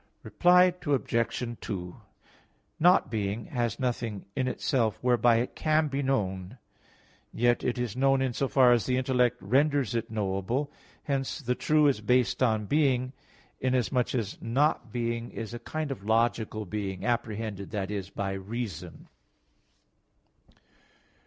Reply Obj. 2: Not being has nothing in itself whereby it can be known; yet it is known in so far as the intellect renders it knowable. Hence the true is based on being, inasmuch as not being is a kind of logical being, apprehended, that is, by reason.